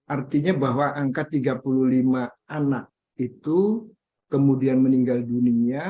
artinya bahwa angka tiga puluh lima anak itu kemudian meninggal dunia